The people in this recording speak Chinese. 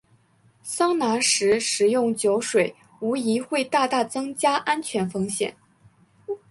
桑拿时食用酒水无疑会大大增加安全风险。